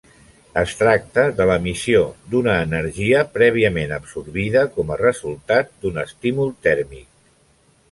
Es tracta de l'emissió d'una energia prèviament absorbida com a resultat d'un estímul tèrmic.